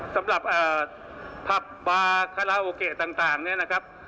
สำหรับผับบาคาราโอเกะต่างเนี่ยนะครับ